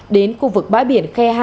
đến khu vực bãi biển khe hai